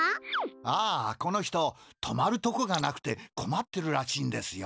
ああこの人とまるとこがなくてこまってるらしいんですよ。